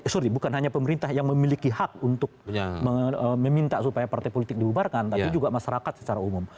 sorry bukan hanya pemerintah yang memiliki hak untuk meminta supaya partai politik dibubarkan tapi juga masyarakat secara umum